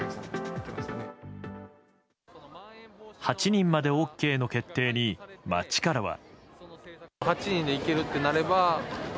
８人までＯＫの決定に街からは。